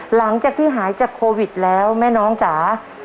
หลังจากที่หายจากโควิดแล้วแม่น้องจ๋า